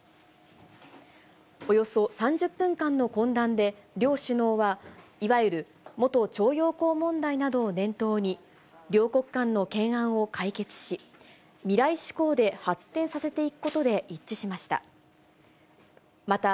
およそ３０分間の懇談で、両首脳はいわゆる元徴用工問題などを念頭に、両国間の懸案を解決し、未来志向で発展させていくことで一致しました。